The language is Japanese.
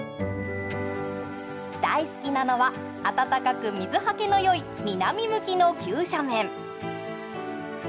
大好きなのは温かく水はけのよい南向きの急斜面。